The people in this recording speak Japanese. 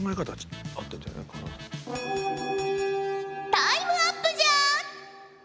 タイムアップじゃ！